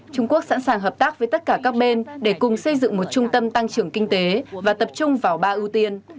trung quốc sẵn sàng hợp tác với tất cả các bên để cùng xây dựng một trung tâm tăng trưởng kinh tế và tập trung vào ba ưu tiên